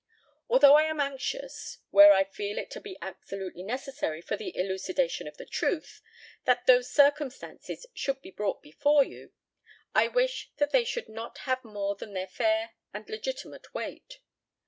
Although I am anxious, where I feel it to be absolutely necessary for the elucidation of the truth, that those circumstances should be brought before you, I wish that they should not have more than their fair and legitimate weight.